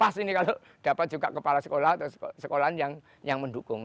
pas ini kalau dapat juga kepala sekolah atau sekolahan yang mendukung